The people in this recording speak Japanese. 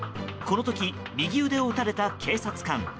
この時、右腕を撃たれた警察官。